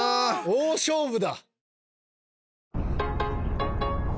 大勝負だ。